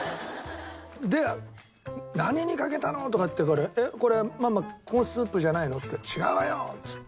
で「何にかけたの！」とかって言うから「えっこれママコーンスープじゃないの？」って「違うわよ！」っつって。